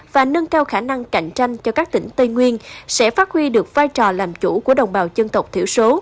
và nâng cao khả năng cạnh tranh cho các tỉnh tây nguyên sẽ phát huy được vai trò làm chủ của đồng bào dân tộc thiểu số